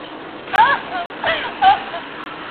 د پوهنتونونو دروازې د افغان محصلینو پر مخ تړل کیږي.